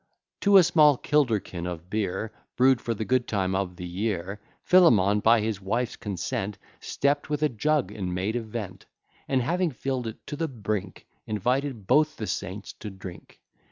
To a small kilderkin of beer, Brew'd for the good time of the year, Philemon, by his wife's consent, Stept with a jug, and made a vent, And having fill'd it to the brink, Invited both the saints to drink.